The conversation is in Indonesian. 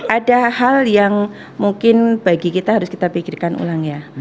ada hal yang mungkin bagi kita harus kita pikirkan ulang ya